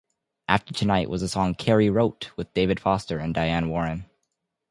"After Tonight" was a song Carey wrote with David Foster and Diane Warren.